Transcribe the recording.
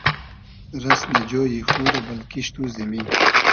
رئس نۂ جۉیی خو رۂ بئل کیشت و زیمی